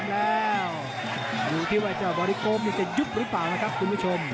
น้ำเงินอยู่ที่ไว้เจ้าบรดิโกพมียังจะยุ่บรึเปล่าคุณผู้ชม